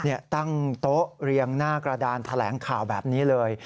ตั้งโต๊ะเรียงหน้ากระดานแถลงข่าวแบบนี้เลย